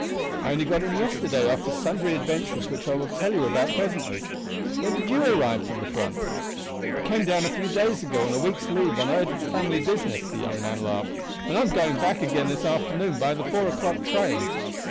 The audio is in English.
"I only got in yesterday after sundry adventures which I will tell you about presently. When did you arrive from the front?" "I came down a few days ago on a week's leave on urgent family business," the young man laughed, "and I am going back again this afternoon by the four o'clock train."